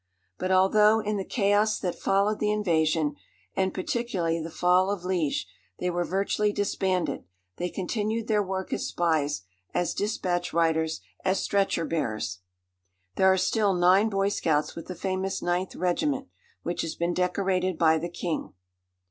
But although, in the chaos that followed the invasion and particularly the fall of Liège, they were virtually disbanded, they continued their work as spies, as dispatch riders, as stretcher bearers. There are still nine boy scouts with the famous Ninth Regiment, which has been decorated by the king.